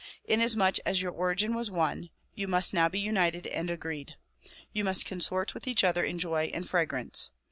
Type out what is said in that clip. Inasmuch as your origin was one, you must now be united and agreed ; you must consort with each other in joy and fragrance.